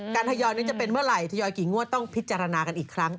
ทยอยนี้จะเป็นเมื่อไหร่ทยอยกี่งวดต้องพิจารณากันอีกครั้ง